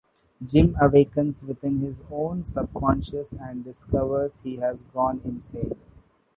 Jim awakens within his own subconscious and discovers he has gone insane.